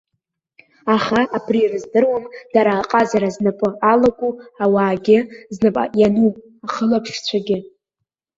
Аха абри рыздыруам дара аҟазара знапы алаку ауаагьы, знапы иану ахылаԥшцәагьы.